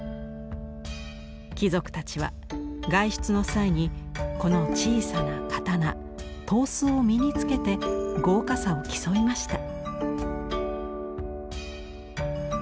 貴族たちは外出の際にこの小さな刀刀子を身に着けて豪華さを競いました。